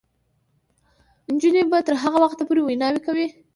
نجونې به تر هغه وخته پورې ویناوې کوي.